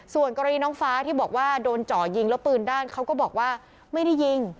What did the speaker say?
ส่วนกรณีน้องฟ้าที่บอกว่าโดนเจาะยิงแล้วปืนด้านเขาก็บอกว่าไม่ได้ยิง